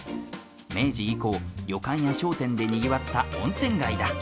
明治以降旅館や商店でにぎわった温泉街だ。